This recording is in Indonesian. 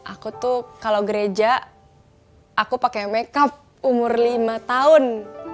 aku tuh kalau gereja aku pakai makeup umur lima tahun